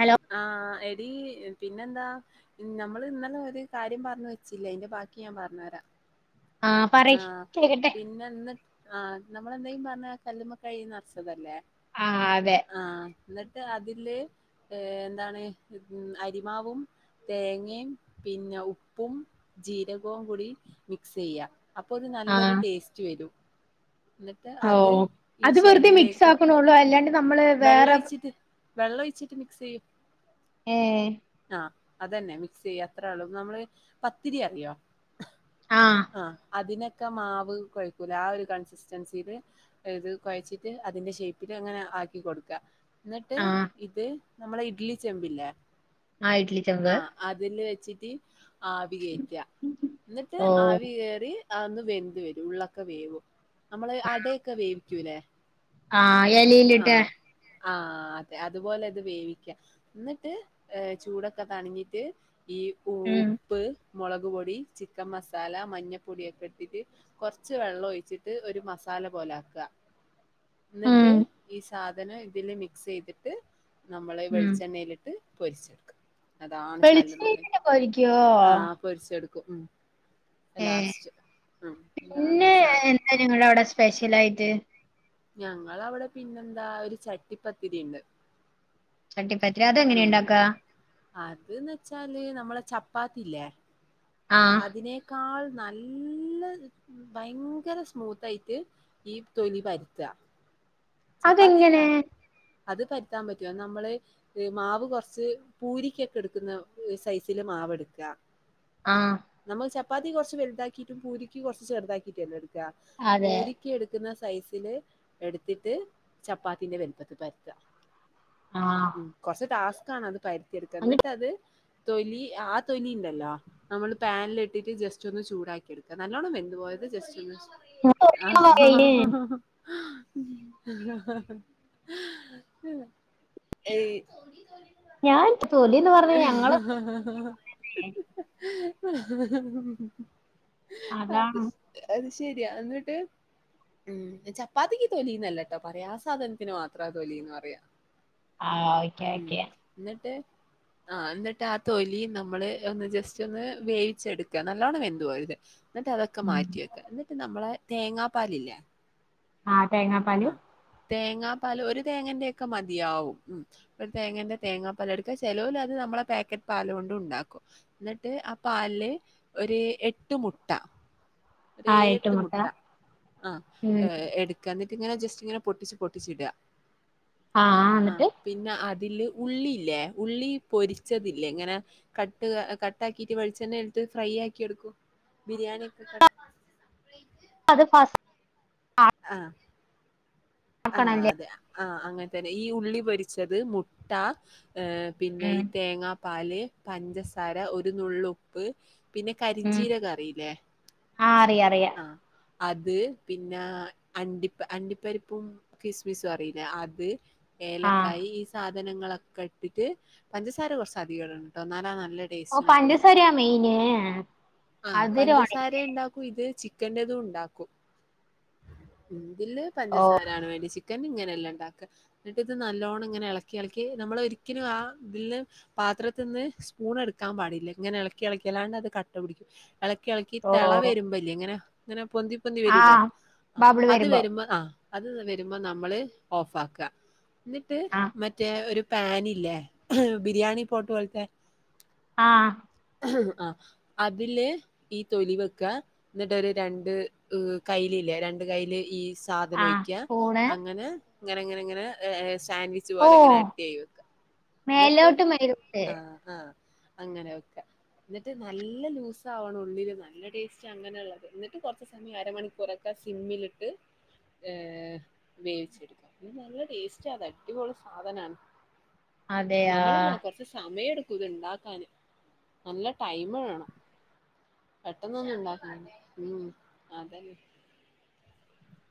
Hello ആഹ് എടീ പിന്നെന്താ ഞമ്മള് ഇന്നലെയൊരു കാര്യം പറഞ്ഞുവെച്ചിലെ അയിന്റെ ബാക്കി ഞാൻ പറഞ്ഞുതരാം ആഹ് പറയ് ആ കേക്കട്ടെ പിന്നെന്ന് ആ നമ്മളെന്തേലും പറഞ്ഞാ കല്ലുമ്മക്കായി നെറ്ച്ചതല്ലെ ആ അതെ ആ എന്നിട്ട് അതില് എന്താണ് ഉം അരിമാവും തേങ്ങേം പിന്നെ ഉപ്പും, ജീരകോം കൂടി മിക്സ്സുചെയ്യാ അപ്പൊന്ന് നല്ലൊര് ആഹ് ടേസ്റ്റ് വരും എന്നിട്ട് ഓ അത് ഈ അത് വെറുതെ മിക്സ് ഷെല്ലിലേക്ക് ആക്കണള്ളൂ അല്ലാണ്ട് നമ്മള് വേറെ വെള്ളൊഴിച്ചിട്ട് വെള്ളൊഴിച്ചിട്ട് മിക്സ്സുചെയ്യും ഏ ആ അതന്നെ മിക്സ്സെയ്യാ അത്രെള്ളു നമ്മള് പത്തിരി അറിയൊ ആഹ് ആ അതിനൊക്കെ മാവ് കൊഴക്കൂലെ ആ ഒരു കൺസ് സ്റ്റൻസീവ് ഇത് കൊയച്ചിട്ട് അതിന്റെ ഷൈപ്പില് അങ്ങനെ ആക്കി കൊടുക്കാ എന്നിട്ട് ആഹ് ഇത് നമ്മളെ ഇഡ്ലി ചെമ്പില്ലെ ആഹ് ഇട്ട്ലിചെമ്പ്. അതില് വെച്ചിട്ട് ആവികേറ്റാ. ന്നിട്ട് ഓ ആവികേറി അതൊന്ന് വെന്ത് വരും ഉള്ളൊക്കെ വേവും. നമ്മള് അടയൊക്കെ വേവിക്കൂല്ലേ? ആഹ് എലീല്ലിട്ട് ആഹ് അതെ അതുപോലെ ഇത് വേവിക്കാ. ഇന്നിട്ട് ഏഹ് ചൂടൊക്കൊന്നണങ്ങിട്ട് ഈ ഊ ഉം ഉപ്പ് മുളക്പൊടി, ചിക്കൻമസാല, മഞ്ഞപ്പൊടിയൊക്കെട്ടിട്ട് കുറച്ച് വെള്ളൊയിച്ചിട്ട് ഒരു മസാല പോലെ ആക്ക. ഇന്നിട്ട് ഉം സാധനം ഇതില് മിക്സെയ്തിട്ട് നമ്മളെ ഈ ഉം വെളിച്ചെണ്ണയിലിട്ട് പൊരിച്ചെടുക്ക. അതാണ് കല്ലുമ്മക്കായ. വെളിച്ചെണ്ണയിലിട്ട് പൊരിക്കുവോ ആഹ് പൊരിച്ചെടുക്കും ഉം. ഏ ലാസ്റ്റ് ഉം ഇതാണീ സാദ്‌ സ്പെഷ്യലായിട്ട് ഞങ്ങളവിടെ പിന്നെന്താ ഒരു ചട്ടിപത്തിരിണ്ട്. ചട്ടി ഉം. അത്ന്ന്ച്ചാല് നമ്മളെ ചപ്പാത്തില്ലേ? ആഹ് അതിനേക്കാൾ നല്ല ഭയങ്കര സ്മൂത്തായിട്ട് ഈ തൊലി പര്ത്ത. ചപ്പാത്തിയല്ല. അതെങ്ങനെ അത് പരുത്താൻ പറ്റുവോ? നമ്മള് ഇത് മാവ് കൊറച്ച് പൂരിക്കൊക്കെ എടുക്കുന്ന ഏഹ് സൈസില് മാവെടുക്ക. ആഹ്. നമ്മള് ചപ്പാത്തി കൊറച്ച് വലുതാക്കിട്ടും പൂരിക്ക് കൊറച്ച് ചെറുതാക്കിട്ടുല്ലേ എടുക്കാ? ആ പൂ അതെ പൂരി എടുക്കുന്ന സൈസില് എടുത്തിട്ട് ചപ്പാത്തിന്റെ വലുപ്പത്ത് പരുത്താ. ആഹ് കൊറച് ടാസ്ക്കാണ് അത് പരുത്തിയെടുക്കാൻ. ഇന്നിട്ടത് തൊലി ആ തൊലി ഉണ്ടല്ലോ നമ്മള് പാനിലിട്ടിട്ട് ജസ്റ്റൊന്ന് ചൂടാക്കിയെടുക്ക. നല്ലോണം വെന്ത്‌ പോവരുത്. ജസ്റ്റൊന്ന് തൊലിന്ന് പറയേ ഏയ് ഞാൻ തൊലിന്ന് പറഞ്ഞ ഞങ്ങള് ഏ [unintelligible] അതെ അതാണ് അത് ശരിയാ. ഇന്നിട്ട് ഉം ചപ്പാത്തിക്ക് തൊലീന്നല്ല എന്താ പറയാ ആ സാധനത്തിന് മാത്ര തൊലീന്ന് പറയാ. ആഹ് ഓക്കെ ഓക്കെ. ഇന്നിട്ട് ആഹ് ഇന്നിട്ട് ആ തൊലി നമ്മള് ഒന്ന് ജസ്റ്റൊന്ന് വേവിച്ചെടുക്ക. നല്ലോണം വെന്ത്‌ പോവരുത്. ഇന്നിട്ട് അതൊക്കെ ഉം മാറ്റി വെക്ക. ഇന്നിട്ട് നമ്മളെ തേങ്ങാ പാലില്ലേ? ആ തേങ്ങാ പാല് തേങ്ങാപാല് ഒരു തേങ്ങന്റെക്കെ മതിയാവും. ഉം ഒരു തേങ്ങേന്റെ തേങ്ങാപ്പാാലെടുക്കാ. ചെലോലത് നമ്മളെ പാക്കറ്റ് പാലോണ്ടും ണ്ടാക്കും. ഇന്നിട്ട് ആ പാലില് ഒരു എട്ട് മുട്ട ഒരു ആഹ് എട്ട് ഏഴെട്ട് മുട്ട ആ ഉം ഏഹ് ട്ക്കാ. ഇന്നിട്ട്ങ്ങനെ ജസ്റ്റ്ങ്ങനെ പൊട്ടിച്ച് പൊട്ടിച്ചിടാ. ആ ആ ആഹ്. ന്നിട്ട്? പിന്നെ അതില് ഉള്ളില്ലേ? ഉള്ളി പൊരിച്ചതില്ലേ ഇങ്ങനെ? കട്ട് കട്ടാക്കിട്ട് വെളിച്ചെണ്ണയെടുത്ത് ഫ്രൈയ്യാക്കിയെടുക്കും. ബിരിയാണിയൊക്കെ ് അത് പാ ആഹ് ആ ആക്കണല്ലേ അതെ ആ അങ്ങത്തന്നെ. ഈ ഉള്ളി പൊരിച്ചത്, മുട്ട ഏഹ് പിന്നെ ഈ ഉം തേങ്ങാപ്പാല്, പഞ്ചസാര, ഒരു നുള്ളുപ്പ് പിന്നെ ഉം കരിഞ്ചീരകറിയില്ലേ? ആ ആഹ് അറിയാ അറിയാം. അറിയാ ആഹ് അത് പിന്നെ അണ്ടിപ്പ അണ്ടിപ്പരിപ്പും കിസ്മിസും അറയില്ലേ? അത് ആഹ് ഏലക്കായി ഈ സാധനങ്ങളൊക്കെ ഇട്ടിട്ട് പഞ്ചസാര കുറച്ച അധികടണട്ടൊ ന്നാലാ നല്ല ഓ ടേസ്റ്റ് പഞ്ചസാര്യ മെയിന് ആ മധുരവാണ് പഞ്ചസാരണ്ടാക്കു ഇത് ചിക്കൻറതു ഉണ്ടാക്കും മ് ഇതില് ഓഹ് പഞ്ചസാരാണ് വേണ്ട്യേ ചിക്കൻൽ ഇങ്ങനെല്ലണ്ടാക്ക. ന്നിട്ട് ഇത് നല്ലോണങ്ങനെ എളക്കി എളക്കി നമ്മള് ഒരിക്കലും ആ തില് പാത്രത്തിൽനിന്ന് സ്പൂൺ എടുക്കാൻ പാടില്ല ഇങ്ങനെ ഇളക്കി ഇളക്കി അല്ലാണ്ട് അത് കട്ട പിടിക്കും എളക്കി എളക്കി ഓഹ് തളവരുംബല്യേ ങ്ങനെ ങ്ങനെ പൊന്തി പൊന്തി വരൂലെ ആഹ് അ അത് വരുമ്പോ അ അത് വരുമ്പോ നമ്മള് ഓഫക്ക ന്നിട്ട് ആഹ് മറ്റേ ഒരു പാനില്ലേ എഹ് ബിരിയാണി പോട്ട് പോലത്തെ ആ ആ്ഹ് അ അതില് ഈ തൊലി വെക്ക ന്ന്ട്ടൊരു രണ്ട് എ കൈ ഇല്യ രണ്ട് കൈൽ ഈ ആഹ് സാദനോയിക്യ സ്പൂണ് അങ്ങനെ ങ്ങനങ്ങനങ്ങനെ സാൻവി ച് പോലെ ങ്ങനെ ഓഹ് അട്ടിയായി വെക്ക ന്നിട്ട് മേലോട്ട് മേലോട്ട് ആ ആ അങ്ങനെയൊക്കെ ന്നിട്ട് നല്ല ലൂസ ആവണം ഉള്ളില് നല്ല ടേസ്റ്റ് അങ്ങനെള്ളത് ന്നിട്ട് കൊർച്ച് സമയം അരമണിക്കൂറ ക്കെ സിമ്മിലിട്ട് ഏ വേവിച്ചെടുക്ക ദ് നല്ല ടേസ്റ്റ്ദ് അടിപൊളി സാധനാണ്. അതെയാ നമ്മളില്യേ കൊറച്ച് സമയടുക്കു ഇത് ണ്ടാക്കാന് നല്ല ടൈമ്‌ വേണം പെട്ടെന്നൊന്നും ഇണ്ടാക്ക മ് അതന്നെ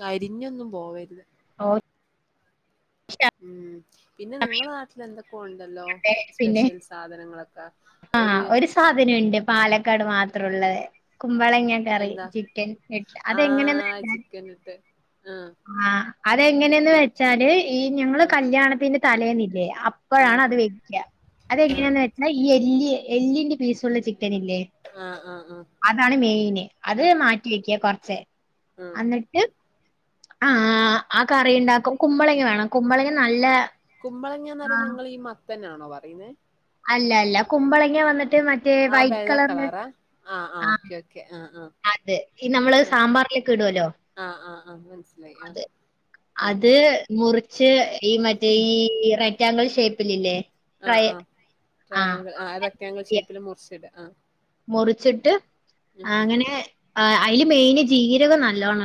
കരിഞ്ഞൊന്നും പോവരുത് ഓ ഉം പിന്നെ നിങ്ങള നാട്ടിൽ എന്തൊകോണ്ടല്ലോ സ്പെഷ്യൽ സാധനങ്ങളൊക്കെ. ആ ഒരു സാധനണ്ട് പാലക്കാട് മാത്രംള്ളത് കുമ്പളങ്ങ കറി എന്താ ചിക്കൻ ഇട്ട് അതെങ്ങനെന്ന് ത്തെ ആ അതെങ്ങനെന്ന് വെച്ചാല് ഈ ഞങ്ങള് ആഹ് കല്യാണത്തിന്റെ തലേന്നില്ലേ അ ഇപ്പോഴാണ് ആഹ് അത് വെക്യ ആഹ് അതെങ്ങനാന്ന് വെച്ചാ ഈ എല്ലി എല്ലിന്റെ പീസ്ള്ള ചിക്കനില്ലേ? ആ ആ ആ അതാണ് മെയിന് അത് മാറ്റി വെക്യ കുറച്ച് ആഹ് അന്നട്ട് ആ ആ കറി ഉണ്ടാക്കും കുമ്പളങ്ങ വേണം കുമ്പളങ്ങ നല്ല ആ നിങ്ങൾ ഈ തന്നെയാണോ പറയുന്നത് അല്ല അല്ല കുമ്പളങ്ങ വന്നിട്ട് മ ആ വെള്ളക്കളറാ ആ ആ് ഓക്കെ ഓക്കെ ആ ആ തെ ഇ നമ്മള് സാമ്പാറിലൊക്കെ ഇടല്ലോ ആഹ് ആഹ് ആഹ് മനസ്സിലായി ആ അത് മുറിച്ച് ഈ മറ്റേ ഈ റെക്ടാംഗിൾ ഷേപ്പിൽല്ലേ ആ ആ ട്രയാങ്കിൾ ആ റക്റ്റങ്കിൽ യ- ഷേപ്പില് മുറിച്ചിട ആ മുറിച്ചിട്ട് അങ്ങനെ അ അയിൽ മെയിന് ജീരകം നല്ലൊണടന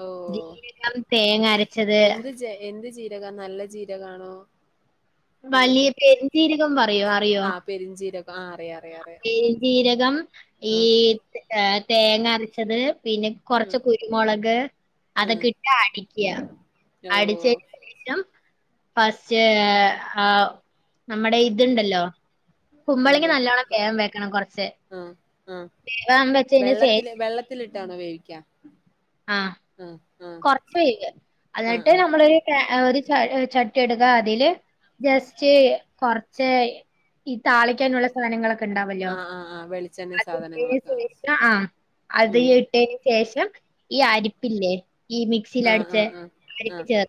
ഓ അരച്ചത് എന്ത് ചെ എന്ത് ചീരക നല്ല ജീര കാണോ വലിയ പെരുംജീരകം പറയോ [unintelligible] ആ പെരുംജീരക ആ അറിയാ അറിയ. എര് ജീരകം ഈ ഏ തേങ്ങ അരച്ചത് പിന്നെ ഉം കൊറച്ച് കുരുമുളക് ഉം അതൊക്കെട്ട അടിക്യാ. ഓ ഫസ്റ്റ് ആ നമ്മടെ ഇദ്ണ്ടല്ലോ കുമ്പളങ്ങ്യ നല്ലോണം വേവവെക്കണം കൊറച്ച് അ അ ശേഷം വെള്ളത്തിൽ വെള്ളത്തിലിട്ടാണോ വേവിക്ക ആ ആഹ് ആഹ് കുറച്ച് [unintelligible] എന്നിട്ട് നമ്മളൊരു ച ഒരു ച ചട്ടി ട്ടി എട്ക്കാ അതില് ജസ്റ്റ് കൊറച്ച് ഈ താളിക്കാനുള്ള സാധനങ്ങളൊക്കെ ഉണ്ടാവല്ലോ ആഹ് ആഹ് ആഹ് വെളിച്ചെണ്ണ സാധനങ്ങളൊക്കെ അത്ട്ട [unintelligible] ആ അത് ഉം എ ഇട്ടതിനന് ശേഷം ഈ അരിപ്പില്ലേ ഈ മിക്സിൽ ആഹ് അടച്ച് ആഹ് ആഹ് അരിപ്പ് ആഹ് ചേർ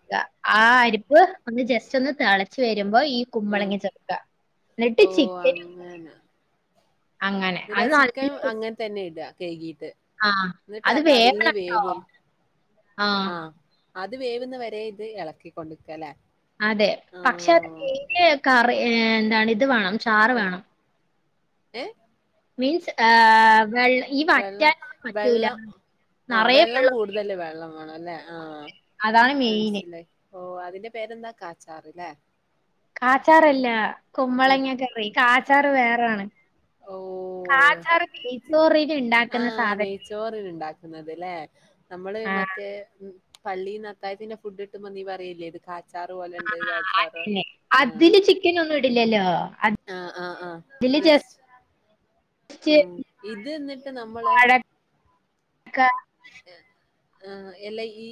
ആ അരിപ്പ് ഒന്ന് ജസ്റ്റ് ഒന്ന് തിളച്ചു വരുമ്പോ ഈ ആഹ് കുമ്പളങ്ങ ച എന്നിട്ട് ഓഹ് ചിക്കൻ അങ്ങനെ അങ്ങനെ അത് എന്നിട്ട് ചിക്കൻ നല്ല അങ്ങനെ തന്നെ ഇടുക കഴുകിട്ട് ആഹ് എന്നിട്ട് അത് അതിൽ നിന്ന് വേവണംട്ടോ വേവും ആഹ് അത് വേവുന്ന വരെ ഇത് ഇളക്കിക്കൊണ്ടിക്കല്ലേ അതെ, പക്ഷെ അത് [unintelligible] കറി എന്താണ് ഇത് വേണം ചാറ് ആഹ് വേണം. ഏഹ്? മീൻസ് ഏഹ് വെള്ള ഈ വെള്ളം വറ്റൻൻ പറ്റൂല നിറയെ വെള്ളം ല് വെള്ളം വേണം അല്ലേ, ആഹ് അതാണ് മെയിന്. മനസിലായി ഓ അതിന്റെ പേര്ന്താ? കാച്ചാർല്ലേ കാച്ചാറല്ല, ഏഹ് കുമ്പളങ്ങ കറി, കാച്ചാറ് വേറാണ്. ഓഹ് കാച്ചാർ ബീഫ് [unintelligible] ഉണ്ടാക്കുന്ന സാ നെയ്ച്ചോറിന ഉണ്ടാക്കുന്നത് അല്ലെ? നമ്മള് ആഹ് മറ്റേ പള്ളിയിന്ന് അത്തായത്തിന്നെ ഫുഡ് കിട്ടുമ്പോ നീ പറയില്ലേ ഇത് കാ ചാറ് പോലെ ഉണ്ട്, കാച്ചാറ് അതന്നെ. അതില് ആഹ് ചിക്കൻ ഒന്നും ഇടില്ലല്ലോ. ആഹ് ആഹ് ആഹ് അതില് ജസ്റ്റ് ജസ്റ്റ് ആഹ് ഇത് എന്നിട്ട് നമ്മള് ക്ക ആഹ് എല്ല ഈ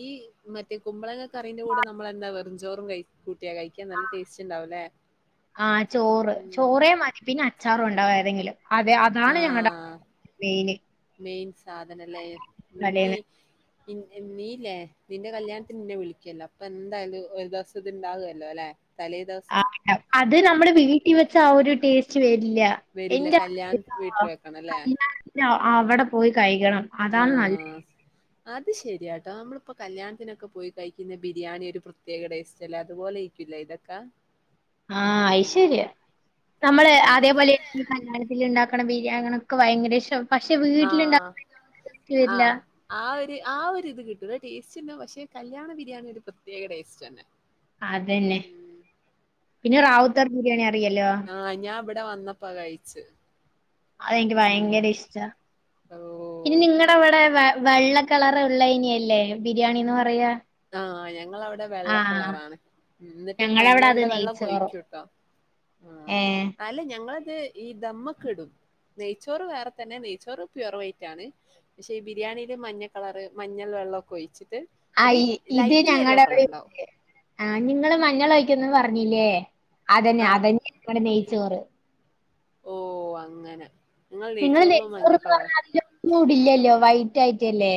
മറ്റേ കുമ്പളങ്ങ കറീന്റെ കൂടെ നമ്മൾ എന്താ വ കുഞ്ചോറും ക കൂട്ടിയാ കഴിക്കാൻ നല്ല ടേസ്റ്റ് ഉണ്ടാവലേ? ആ ചോറ് ചോറേമതി പിന്നെ അച്ചാറ് ഉണ്ടാവായതെങ്കിലും അതെ അതാണ് ഞങ്ങളുടെ ആഹ് മീന് മെയിൻ സാധനല്ലെ എനിക്ക് ഇ നീ ഇല്ലേ നിന്റെ കല്യാണത്തിന് നിന്നെ വിളിക്കല്ലോ അപ്പൊ എന്തായാലും ഒരു ദിവസ ഇ ഇണ്ടാകുവല്ലോ അല്ലെ തലേ ദിവസം അത് നമ്മുടെ വീട്ടിൽ വെച്ച ആ ഒരു ടേസ്റ്റ് വരില്ല വരില്ല എന്റെ കല്യാണത്തിന് വീട്ടിൽ ആ, വെക്കണല്ലേ? [unintelligible] അവിടെ പോയി കയികണം ആഹ് അത് ശരിയാട്ടോ, നമ്മളിപ്പോ കല്യാണത്തിനൊക്കെ പോയി കയിക്കുന്ന ബിരിയാണി ഒരു പ്രത്യേക ടേസ്റ്റ് അല്ലേ, അതുപോലെ ഇ ക്കില്ല ഇതക്ക ആഹ് അയ്ശരിയ നമ്മള് അതേപോലെ ഈ മലയാളത്തി ഉണ്ടാക്കണ ബിരിയാണികൊക്കെ ഭയങ്കര ഇഷ്ടം പക്ഷെ ആ വീട്ടിലുണ്ടാക്ക [inaudible] ആ വരില്ല ആ ഒരു ആ ഒരുരിത് കിട്ടൂല, ടേസ്റ്റ്ണ്ട് പക്ഷെ കല്യാണ ബിരിയാണി ഒരു പ്രത്യേക ടേസ്റ്റ് തന്നെ. അതന്നെ. ഉം. പിന്നെ റാവുത്തർ ബിരിയാണി അറിയല്ലോ? ആഹ് ഞാൻ ഇവിടെ വന്നപ്പ കഴിച്ച് അതെനിക്ക് ഉം. ഭയങ്കര ഇഷ്ടാ ഓ ഇനി നിങ്ങടവിടെ വേ വെള്ള കളറ് ഉള്ളയിനെ അല്ലേ ബിരിയാണിന്ന് പറയാ ആഹ് ഞങ്ങവിടെ ആ വെള്ള കളറാണ് എന്നിട്ട് ഞങ്ങളവിടെ അത് മഞ്ഞളിന്റെ വെള്ളകെ നെയ്ച്ചോറും. ഓയികോട്ടേ ആഹ് ഏഹ് അല്ലെ ഞങ്ങളിത് ഈ ദമ്മ് ഒക്കെ ഇടും നെയ്ച്ചോറ് വേറെ തന്നെ, നെയ്ച്ചോറ് പ്യുവർ വൈറ്റ് ആണ്. പക്ഷെ ഈ ബിരിയാണിയില് മഞ്ഞ കളറ് മഞ്ഞൾ വെള്ളൊക്കെ ഒഴിച്ചിട്ട് ഒരു ആയ് ഇത് ലൈറ്റ് യെല്ലോ ഞങ്ങളുടെ കളർ അവിടെ ഉണ്ടാവും ആഹ് നിങ്ങള് മഞ്ഞൾ ഒഴിക്കന്നന്ന് പറഞ്ഞില്ലേ, അതന്നെ ആഹ് അതന്നെങ്ങടെ നെയ്ച്ചോറ് ഓ അങ്ങനെ നിങ്ങൾ നെയ്ച്ചോറിലും മഞ്ഞ [unintelligible] കളർ പറഞ്ഞാലും [inaudible] മൂഡില്ലല്ലോ വൈറ്റ് ആയിട്ടല്ലേ.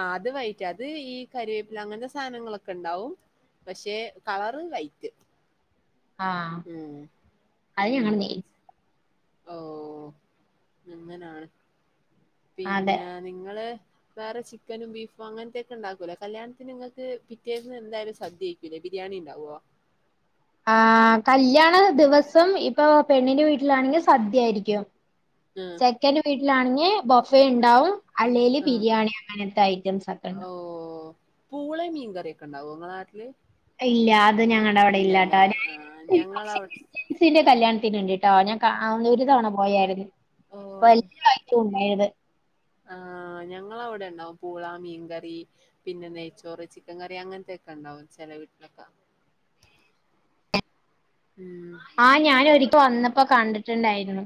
ആഹ് അത് വൈറ്റ് അത് ഈ കരിവേപ്പില അങ്ങനത്തെ സാധനങ്ങളൊക്കെ ഉണ്ടാവും പക്ഷേ കളറ് വൈറ്റ് ആഹ് ഉം അത് ഞങ്ങള് അങ്ങനെ നേ ഓ ഇങ്ങനാണ് അതെ പിന്നെ നിങ്ങള് വേറെ ചിക്കനും ബീഫും അങ്ങനത്തെയൊക്കെ ഉണ്ടാക്കുവല്ലോ കല്യാണത്തിന് നിങ്ങക്ക് പിറ്റേന്ന് എന്തായാലും സദ്യയ് - പിന്നെ ബിരിയാണി ഇണ്ടാവുവോ ആ കല്യാണ ദിവസം ഇപ്പൊ പെണ്ണിന്റെ വീട്ടിലാണെങ്കി സദ്യയായിരിക്കും. ആഹ് ചെക്കന്റെ വീട്ടിലാണെങ്ങേ ബൊഫെ ഇണ്ടാവും അല്ലേല് ആഹ് ബിരിയാണി അങ്ങനത്തെ ഐറ്റംസ് ഒക്കെ ഉണ്ട് പൂളെയും മീൻകറിയൊക്കെ ഇണ്ടാവോ ങ്ങളെ നാട്ടില്? ഇല്ല അത് ഞങ്ങളടെ അവിടെ ഇല്ലാട്ടോ ഇല്ലല്ലേ ആഹ് ഞങ്ങളവി [unintelligible] ഇസിന്റെ കല്യാണത്തിന് ഇണ്ട്ട്ടോ ഞാൻ ക ആന്നുര് കാണാൻ പോയായിരുന്ന് ഓ വലിയ [inaudible] ഉണ്ടായത് ആ ഞങ്ങള അവിടെ ഉണ്ടാവും പൂള മീൻകറി പിന്നെ നെയ്ച്ചോറ് ചിക്കൻ കറി അങ്ങനത്തൊക്കെ ഉണ്ടാവും ചെല വീട്ടിലൊക്കെ ഉം ആ ഞാൻ ഒരിക്കെ വന്നപ്പോ കണ്ടിട്ടുണ്ടായിരുന്നു.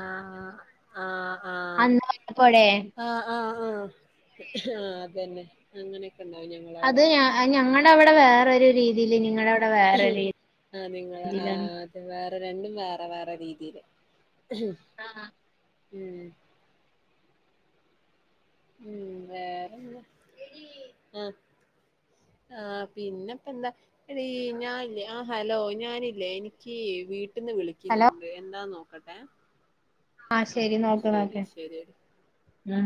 ആഹ്- ആഹ്- ആഹ്.. അന്ന് വന്നപ്പോഴേ ആഹ് -ആഹ്- ആഹ്- ആഹ് അതന്നെ അങ്ങനെയൊക്കെ ഉണ്ടാവും ഞങ്ങ അത് ഞ ഞങ്ങടെ അവിടെ വേറൊരു രീതിയില് നിങ്ങടെ അവിടെ വേറൊരു രീ ആഹ് അത് വേറെ രണ്ടും വേറെ വേറെ രീതിയില് ആഹ് ഉം ഉം വേറെന്ത്‌ എടീ ആഹ് ആഹ് പിന്നെപ്പെന്താ എടീ ഞാനില്ലേ ആ ഹലോ ഞാനില്ലേ എനിക്ക് വീട്ടീന്ന് വിളി ഹലോ ക്കിന്നുണ്ട് എന്താ നോക്കട്ടെ ആ ശരി നോക്ക് ശരി നോക്ക് ശരി ഉം